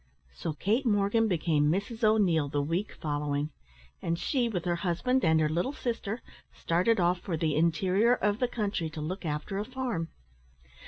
So Kate Morgan became Mrs O'Neil the week following; and she, with her husband and her little sister, started off for the interior of the country to look after a farm.